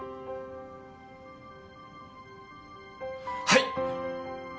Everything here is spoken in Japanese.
はい！